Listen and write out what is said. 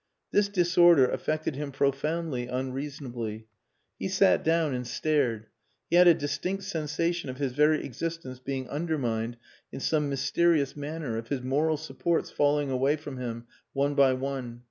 This disorder affected him profoundly, unreasonably. He sat down and stared. He had a distinct sensation of his very existence being undermined in some mysterious manner, of his moral supports falling away from him one by one.